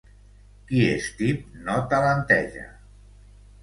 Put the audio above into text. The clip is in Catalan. Qui és tip no talenteja.